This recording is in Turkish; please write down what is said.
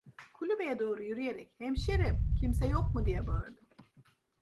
Kulübeye doğru yürüyerek: "Hemşerim… Kimse yok mu?" diye bağırdım.